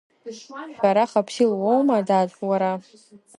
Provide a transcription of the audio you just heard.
Шәарах Аԥсил уоума, дад, уара?